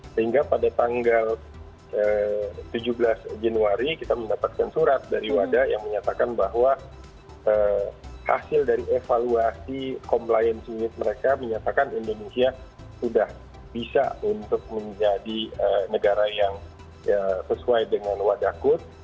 sehingga pada tanggal tujuh belas januari kita mendapatkan surat dari wada yang menyatakan bahwa hasil dari evaluasi compliance unit mereka menyatakan indonesia sudah bisa untuk menjadi negara yang sesuai dengan wadah kut